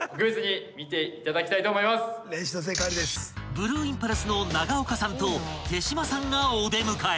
［ブルーインパルスの永岡さんと手島さんがお出迎え］